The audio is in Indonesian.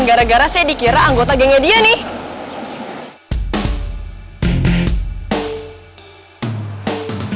gara gara saya dikira anggota gengnya dia nih